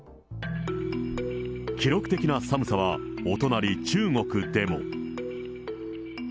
記録的な寒さはお隣、中国でも。